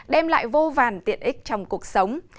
đem lại vô vàn tiện ích trong cuộc sống